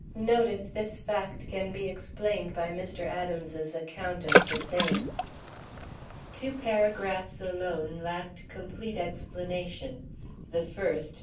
Note if this fact can be explained by Mr. Adams's account of the same. Two paragraphs alone lacked complete explanation. The first, No.